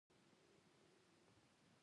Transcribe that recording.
د سلطان په حضور کې دوه تنه جوګیان هم ناست وو.